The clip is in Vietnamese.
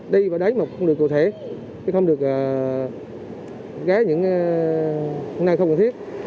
đi và đánh mà không được cụ thể không được ghé những nơi không cần thiết